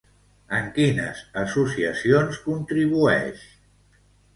En quines associacions contribueix?